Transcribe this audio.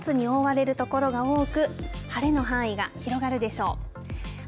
本州は高気圧に覆われる所が多く晴れの範囲が広がるでしょう。